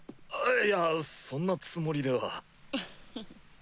いやそんなつもりでは。